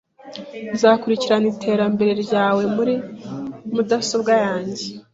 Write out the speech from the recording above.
Nzakurikirana iterambere ryawe muri mudasobwa yanjye.